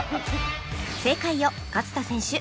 正解を勝田選手